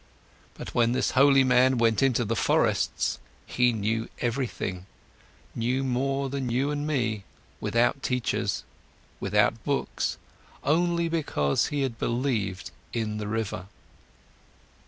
But when this holy man went into the forests, he knew everything, knew more than you and me, without teachers, without books, only because he had believed in the river."